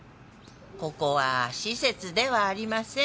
ここは施設ではありません。